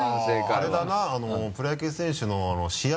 あれだなあのプロ野球選手の試合